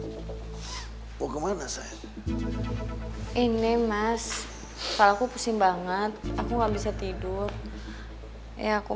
hai hey riana mau kemana saya ini mas kalau aku pusing banget aku nggak bisa tidur ya aku